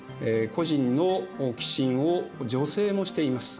個人の寄進を女性もしています。